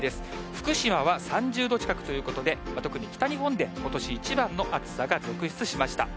福島は３０度近くということで、北日本でことし一番の暑さが続出しました。